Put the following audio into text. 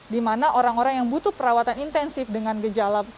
di mana orang orang yang butuh perawatan intensif dengan gejala